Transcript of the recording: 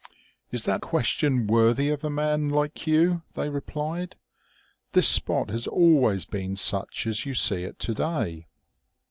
( Is that question worthy of a man like you ?' they replied ;' this spot has always been such as you see it today.'